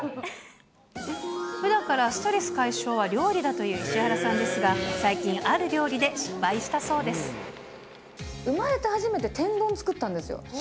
ふだんからストレス解消は料理だという石原さんですが、最近、ある料理で失敗したそうで生まれて初めて天丼作ったんですよ。